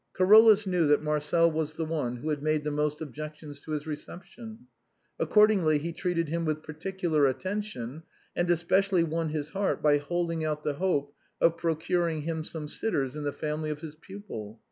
Carolus knew that Marcel was the one who had made the most objections to his reception. Accordingly, he treated him with particular attention, and especially won his heart by holding out the hope of procuring him some sitters in the family of his pupil.